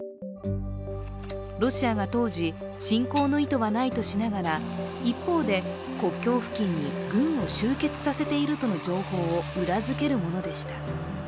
ロシアが当時、侵攻の意図はないとしながら、一方で、国境付近に軍を集結させているとの情報を裏付けるものでした。